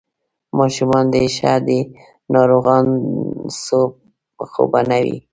ماشومان دې ښه دي، ناروغان خو به نه وي؟